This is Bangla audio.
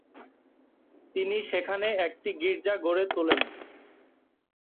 তিনি সেখানে একটি গির্জা গড়ে তোলেন।